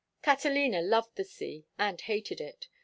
Catalina loved the sea and hated it.